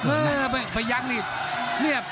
ภูตวรรณสิทธิ์บุญมีน้ำเงิน